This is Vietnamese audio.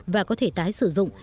và có thể tái sử dụng